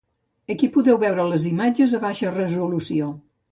Aquí podeu veure les imatges a baixa resolució.